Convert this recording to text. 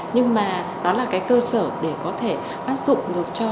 nhưng mà đó là cái cơ sở để có thể áp dụng được cho